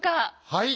はい。